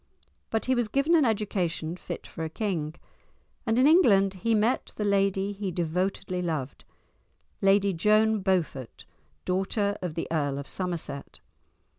But he was given an education fit for a king, and in England he met the lady he devotedly loved, Lady Joan Beaufort, daughter of the Earl of Somerset.